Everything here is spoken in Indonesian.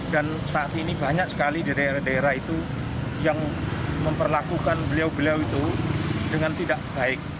dan saat ini banyak sekali di daerah daerah itu yang memperlakukan beliau beliau itu dengan tidak baik